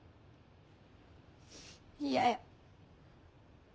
嫌や。